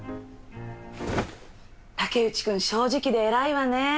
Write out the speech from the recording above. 竹内君正直で偉いわねえ。